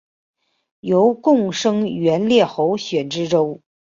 由贡生援例候选知州。